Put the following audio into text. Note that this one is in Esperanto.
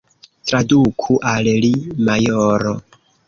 Traduku al li, majoro!